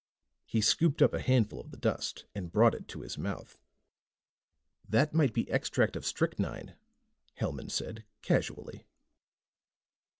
He scooped up a handful of the dust and brought it to his mouth. "That might be extract of strychnine," Hellman said casually.